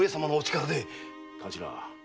頭。